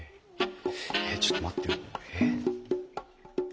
えっちょっと待ってよえっ？